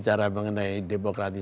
kalau kita menggunakan transisi demokrasi